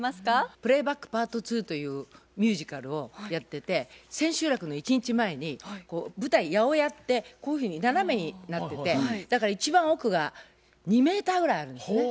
「プレイバックＰａｒｔ２」というミュージカルをやってて千秋楽の１日前に舞台八百屋ってこういうふうに斜めになっててだから一番奥が２メーターぐらいあるんですね。